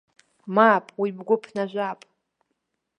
Мап, уи бгәы ԥнажәап.